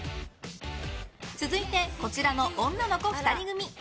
続いて、こちらの女の子２人組。